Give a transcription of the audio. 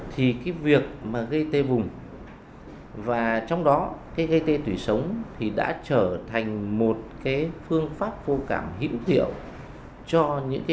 thì việc gây tê vùng và trong đó gây tê tủy sống đã trở thành một phương pháp vô cảm hiệu thiệu cho những trường hợp phẫu thuật vùng bụng dưới